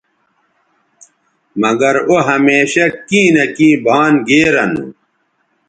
مگر او ھمیشہ کیں نہ کیں بھان گیرہ نو